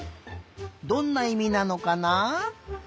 どんないみなのかな？